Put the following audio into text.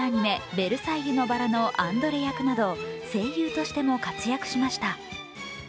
「ベルサイユのばら」のアンドレ役など声優としても活躍しました。